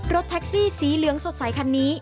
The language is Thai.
รถแท็กซี่สีเหลืองสดใสคันนี้